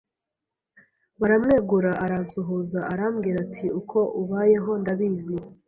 Baramwegura aransuhuza arambwira ati uko ubayeho ndabizi